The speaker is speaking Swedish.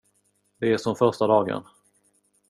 Det är som första dagen.